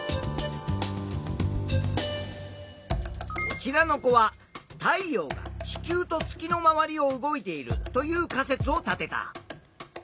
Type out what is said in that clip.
こちらの子は太陽が地球と月の周りを動いているという仮説を立てた。